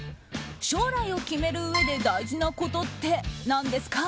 将来を決めるうえで大事なことって何ですか？